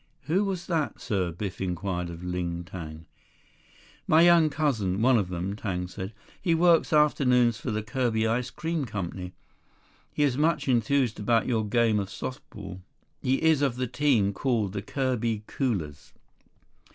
"Who was that, sir?" Biff inquired of Ling Tang. "My young cousin—one of them," Tang said. "He works afternoons for the Kirby Ice Cream Co. He is much enthused about your game of soft ball. He is of the team called the Kirby Koolers."